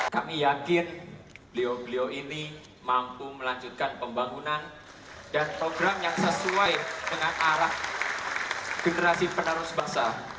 kami yakin beliau beliau ini mampu melanjutkan pembangunan dan program yang sesuai dengan arah generasi penerus bangsa